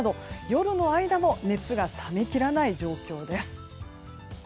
夜の間も熱が冷めきらない状況です。